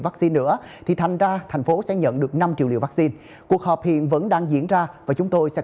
vaccine nữa thì thành ra thành phố sẽ nhận được năm triệu liều vaccine cuộc họp hiện vẫn đang diễn ra và chúng tôi sẽ